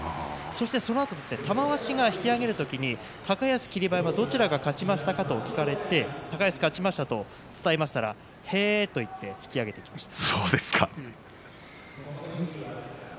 そして、そのあと玉鷲が引き揚げる時に高安に霧馬山どちらが勝ちましたか？と聞かれて高安が勝ちましたと伝えるとへえと言って引き揚げていきました。